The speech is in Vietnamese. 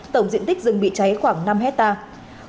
tổng diện tích rừng bị cháy khoảng năm hectare